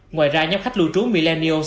ngoài ra nhóm khách lưu trú millennials